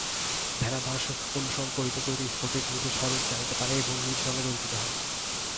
ধ্যানাভ্যাস অনুসরণ করিতে করিতে স্ফটিক নিজের স্বরূপ জানিতে পারে এবং নিজ রঙে রঞ্জিত হয়।